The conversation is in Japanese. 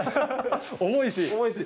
重いし。